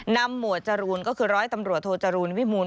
หมวดจรูนก็คือร้อยตำรวจโทจรูลวิมูล